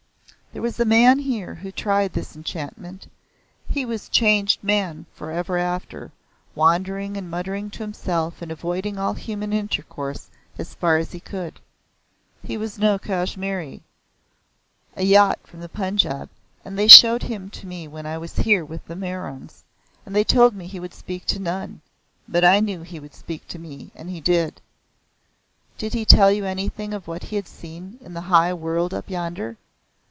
There was a man here who tried this enchantment. He was a changed man for ever after, wandering and muttering to himself and avoiding all human intercourse as far as he could. He was no Kashmiri A Jat from the Punjab, and they showed him to me when I was here with the Meryons, and told me he would speak to none. But I knew he would speak to me, and he did." "Did he tell you anything of what he had seen in the high world up yonder?"